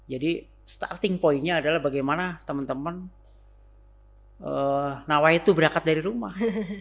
jadi starting point nya adalah bagaimana teman teman nawai itu berangkat dari rumah